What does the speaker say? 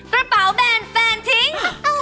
กระเป๋าแบนแฟนทิ้ง